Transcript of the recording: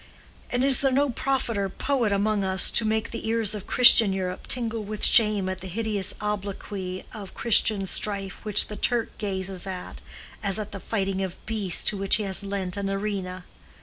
And is there no prophet or poet among us to make the ears of Christian Europe tingle with shame at the hideous obloquy of Christian strife which the Turk gazes at as at the fighting of beasts to which he has lent an arena?